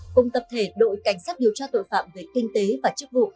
cùng tập thể đội cảnh sát điều tra tội phạm về kinh tế và chức vụ